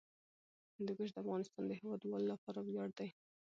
هندوکش د افغانستان د هیوادوالو لپاره ویاړ دی.